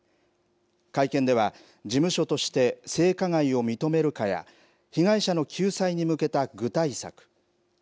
会見では、事務所として性加害を認めるかや、被害者の救済に向けた具体策。